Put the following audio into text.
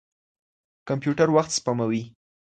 کمپيوټر وخت سپموي.